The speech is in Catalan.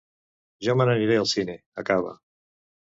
Jo me n’aniré al cine, acaba.